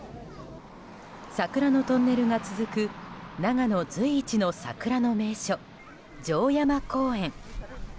桜のトンネルが続く長野随一の桜の名所、城山公園。